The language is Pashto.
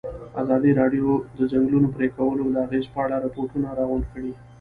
ازادي راډیو د د ځنګلونو پرېکول د اغېزو په اړه ریپوټونه راغونډ کړي.